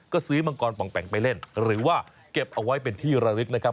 ก็ซื้อมังกรป่องแปงไปเล่นหรือว่าเก็บเอาไว้เป็นที่ระลึกนะครับ